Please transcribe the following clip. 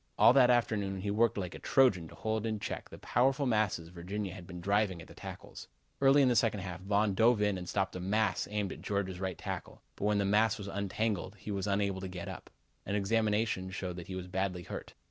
All that afternoon he worked like a Trojan to hold in check the powerful masses Virginia had been driving at the tackles. Early in the second half Von dove in and stopped a mass aimed at Georgia's right tackle, but when the mass was untangled, he was unable to get up. An examination showed that he was badly hurt.